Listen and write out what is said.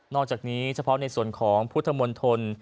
อกจากนี้เฉพาะในส่วนของพุทธมนตร